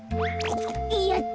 やった。